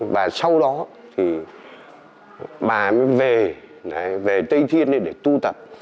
và sau đó thì bà mới về tây thiên lên để tu tập